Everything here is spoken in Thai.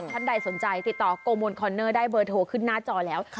ท่านใดสนใจติดต่อโกโมนคอนเนอร์ได้เบอร์โทรขึ้นหน้าจอแล้ว